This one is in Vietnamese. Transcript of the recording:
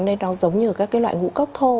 nên nó giống như các cái loại ngũ cốc thô